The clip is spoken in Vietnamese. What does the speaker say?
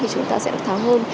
chúng ta sẽ thoáng hơn